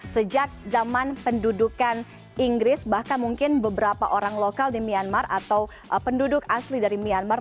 sejak zaman pendudukan inggris bahkan mungkin beberapa orang lokal di myanmar atau penduduk asli dari myanmar